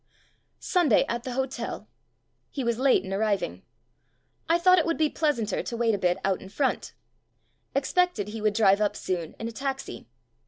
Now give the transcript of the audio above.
«««« Sunday at the hotel. He was late in ^6 THE BOOKMAN arriving. I thought it would be pleas anter to wait a bit out in front. Ex pected he would drive up soon in a taxi.